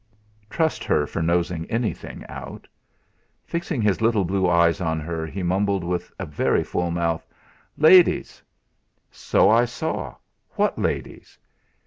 Trust her for nosing anything out! Fixing his little blue eyes on her, he mumbled with a very full mouth: "Ladies." "So I saw; what ladies?"